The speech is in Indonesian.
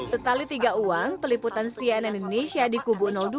tetali tiga uang peliputan cnn indonesia di kubu dua